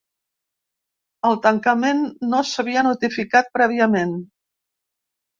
El tancament no s’havia notificat prèviament.